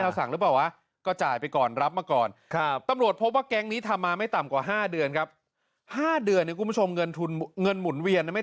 แล้วตอนมันจะคิดราคาคือมันไม่ได้แพงมาก